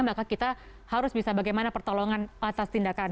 maka kita harus bisa bagaimana pertolongan atas tindakan